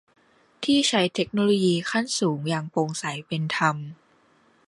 ที่ใช้เทคโนโลยีขั้นสูงอย่างโปร่งใสเป็นธรรม